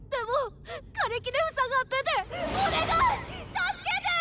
助けて！